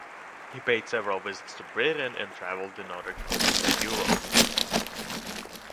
He paid several visits to Britain and travelled in other countries of Europe.